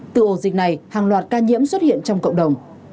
từ ổ dịch này hàng loạt ca nhiễm xuất hiện trong cộng đồng